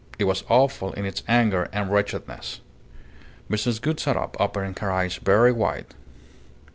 It was awful in its anger and wretchedness." Mrs. Gould sat up, opening her eyes very wide.